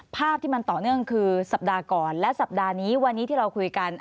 ภาพที่มันต่อเนื่องคือสัปดาห์ก่อนและสัปดาห์นี้วันนี้ที่เราคุยกัน